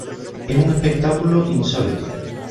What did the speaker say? Es un espectáculo insólito.